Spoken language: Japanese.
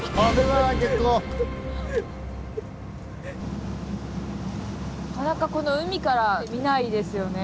なかなかこの海から見ないですよね。